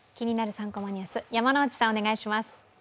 ３コマニュース」、山内さん、お願いします。